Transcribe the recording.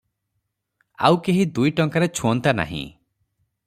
ଆଉ କେହି ଦୁଇ ଟଙ୍କାରେ ଛୁଅନ୍ତା ନାହିଁ ।